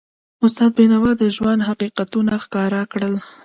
استاد بینوا د ژوند حقیقتونه ښکاره کړل.